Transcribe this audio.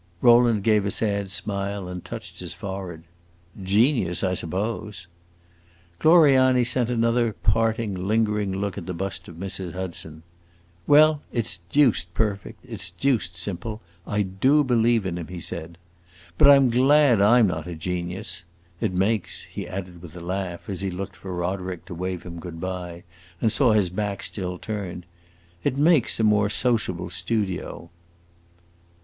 Rowland gave a sad smile, and touched his forehead. "Genius, I suppose." Gloriani sent another parting, lingering look at the bust of Mrs. Hudson. "Well, it 's deuced perfect, it 's deuced simple; I do believe in him!" he said. "But I 'm glad I 'm not a genius. It makes," he added with a laugh, as he looked for Roderick to wave him good by, and saw his back still turned, "it makes a more sociable studio."